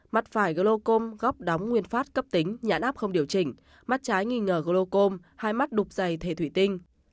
mắt phải gluocom góc đóng nguyên phát cấp tính nhãn áp không điều chỉnh mắt trái nghi ngờ gluocom hai mắt đục dày thể thủy tinh